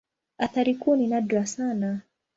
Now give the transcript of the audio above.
Athari kuu ni nadra sana.